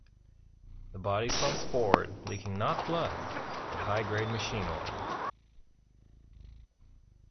The body slumps forward leaking not blood, but high-grade machine oil.